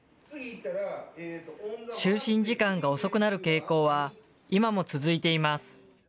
就寝時間が遅くなる傾向は、今も続いています。